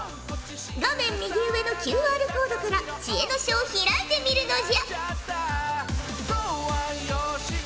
画面右上のＱＲコードから知恵の書を開いてみるのじゃ！